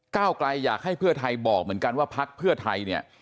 เก้าไกลอยากให้เพื่อไทยบอกเหมือนกันว่าพักเพื่อไทยเนี่ย